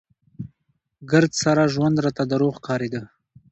ګرد سره ژوند راته دروغ ښکارېده.